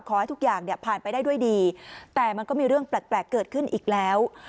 ขอให้ทุกอย่างเนี่ยผ่านไปได้ด้วยดีแต่มันก็มีเรื่องแปลกเกิดขึ้นอีกแล้ว